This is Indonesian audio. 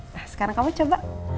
nah sekarang kamu coba